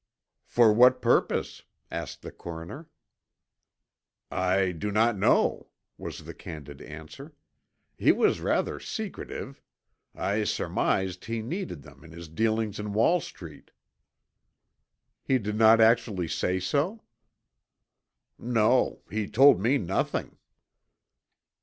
"For what purpose?" asked the coroner. "I do not know," was the candid answer. "He was rather secretive. I surmised he needed them in his dealings in Wall Street." "He did not actually say so?" "No. He told me nothing."